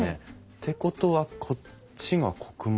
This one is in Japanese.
ってことはこっちが穀物庫？